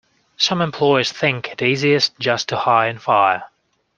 Some employers think it easiest just to hire and fire.